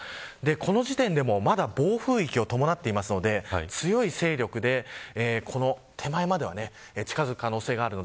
この時点で、まだ暴風域を伴っていますので強い勢力で手前までは近づく可能性があります。